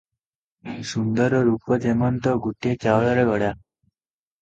ସୁନ୍ଦର ରୂପ ଯେମନ୍ତ ଗୋଟିଏ ଚାଉଳରେ ଗଢ଼ା ।